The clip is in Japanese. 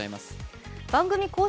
番組公式